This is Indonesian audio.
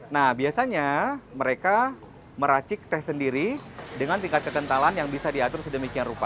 nah biasanya mereka meracik teh sendiri dengan tingkat kekentalan yang bisa diatur sedemikian rupa